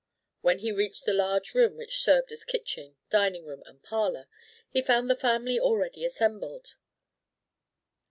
When he reached the large room which served as kitchen, dining room, and parlour, he found the family already assembled.